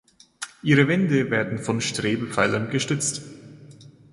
Ihre Wände werden von Strebepfeilern gestützt.